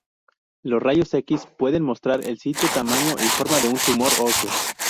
Los rayos X pueden mostrar el sitio, tamaño y forma de un tumor óseo.